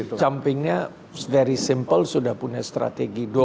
kalau saya jumpingnya very simple sudah punya strategi